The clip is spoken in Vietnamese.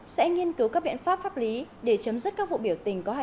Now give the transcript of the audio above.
xin kính chào tạm biệt